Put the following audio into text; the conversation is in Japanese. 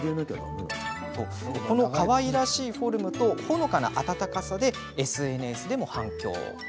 このかわいらしいフォルムとほのかな温かさでＳＮＳでも反響。